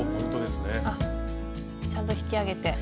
あっちゃんと引き上げて。